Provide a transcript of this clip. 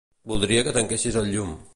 Voldria que tanquessis el llum.